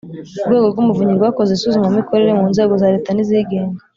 urwego rw’umuvunyi rwakoze isuzumamikorere mu nzego za leta n’izigenga